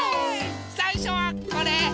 さいしょはこれ。